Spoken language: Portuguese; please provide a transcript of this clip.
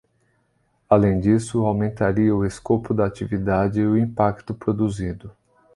Além disso, aumentaria o escopo da atividade e o impacto produzido.